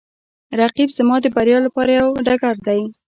رقیب زما د بریا لپاره یوه ډګر دی